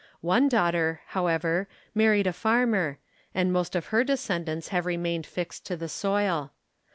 One daughter, however, married a farmer, and most of her descendants have remained fixed to the soil.